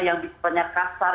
yang disitulah kasar